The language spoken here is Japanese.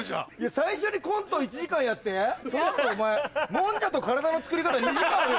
最初にコント１時間やってその後お前「もんじゃと身体の作り方」２時間あるよ。